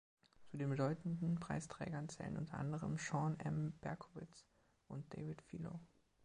Zu den bedeutenden Preisträgern zählen unter anderem Sean M. Berkowitz und David Filo.